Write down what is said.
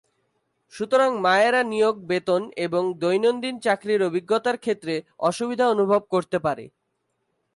সুতরাং, মায়েরা নিয়োগ, বেতন এবং দৈনন্দিন চাকরির অভিজ্ঞতার ক্ষেত্রে অসুবিধা অনুভব করতে পারে।